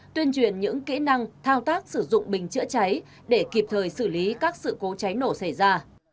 tuyên truyền những kỹ năng thao tác sử dụng bình chữa cháy để kịp thời xử lý các sự cố cháy nổ xảy ra